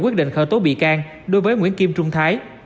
quyết định khởi tố bị can đối với nguyễn kim trung thái